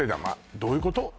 どういうこと？